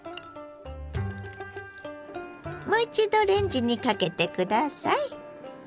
もう一度レンジにかけて下さい。